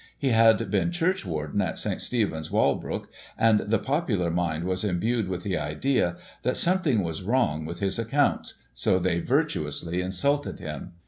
He had been churchwarden of St. Stephen's, Walbrook, and the popu lar mind was imbued with the idea that something was wrong with his accounts, so they virtuously insulted him.